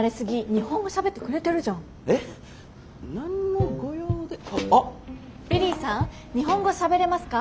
日本語しゃべれますか？